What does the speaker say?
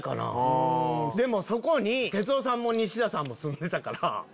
そこに哲夫さんも西田さんも住んでたから。